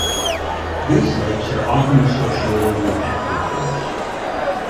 These lakes are often associated with aquifers.